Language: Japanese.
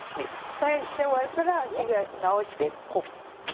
左右して終わったら手を直してここ。